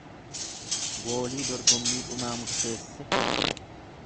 Goolii dorgommii dhumaa murteesse.